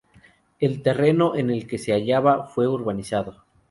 El terreno en el que se hallaba fue urbanizado.